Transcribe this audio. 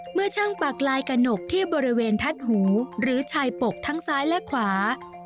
เมื่อช่างปากลายกระหนกที่บริเวณทัดหูหรือชายปกทั้งซ้ายและขวา